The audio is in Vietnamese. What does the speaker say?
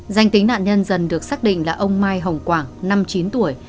danh tính nạn nhân dần được xác định là ông mai hồng quảng năm mươi chín tuổi